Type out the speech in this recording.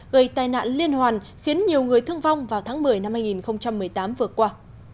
gây tai nạn liên hoàn khiến nhiều người thương vong vào tháng một mươi năm hai nghìn một mươi tám vừa qua